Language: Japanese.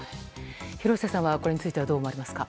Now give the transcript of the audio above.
廣瀬さんはこれについてどう思われますか？